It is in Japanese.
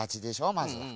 まずは。ね？